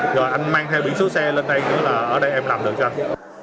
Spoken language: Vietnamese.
rồi anh mang theo biển số xe lên đây nữa là ở đây em làm được cho anh